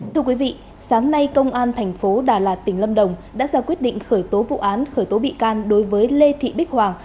thưa quý vị sáng nay công an thành phố đà lạt tỉnh lâm đồng đã ra quyết định khởi tố vụ án khởi tố bị can đối với lê thị bích hoàng